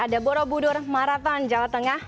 ada borobudur maraton jawa tengah